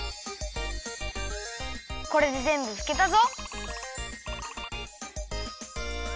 これでぜんぶふけたぞ！